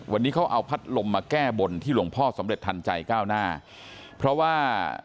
วันนี้เขาเอาพัดลมมาแก้บนที่หลวงพ่อสำเร็จทันใจก้าวหน้าเพราะว่า